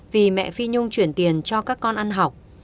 vì mẹ phi nhung chuyển tiền cho các con ăn học